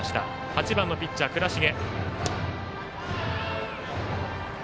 ８番のピッチャー、倉重。